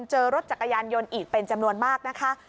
เจอรถจักรยานยนต์อีกเป็นจำนวนมากนะคะ